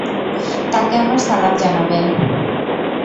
তাকে আমার সালাম জানাবেন।